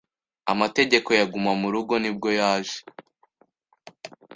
amategeko ya guma mu rugo nibwo yaje